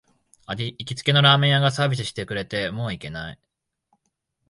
行きつけのラーメン屋がサービスしてくれて、もう行けない